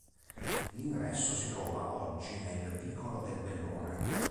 L'ingresso si trova oggi nel vicolo del Bellone.